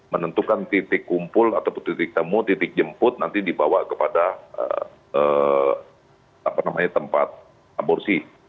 menentukan titik kumpul atau titik temu titik jemput nanti dibawa kepada tempat aborsi